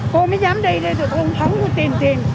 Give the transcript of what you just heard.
cô mới dám đi đây rồi cô không thắng cô tìm tìm